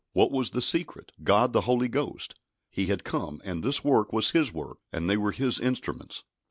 What was the secret? God the Holy Ghost. He had come, and this work was His work, and they were His instruments.